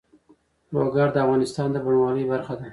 لوگر د افغانستان د بڼوالۍ برخه ده.